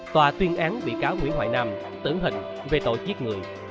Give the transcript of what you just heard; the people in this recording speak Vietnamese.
tòa tuyên án bị cáo nguyễn hoài nam tử hình về tội giết người